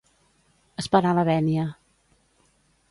Esperar la vènia.